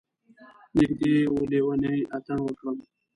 نږدې و لیونی اتڼ وکړم.